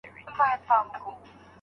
بازاريانو له پخوا ساعتونه پېرلي وه.